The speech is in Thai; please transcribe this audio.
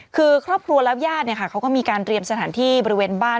คือครอบครัวรับญาติเนี่ยค่ะเขาก็มีการเตรียมสถานที่บริเวณบ้าน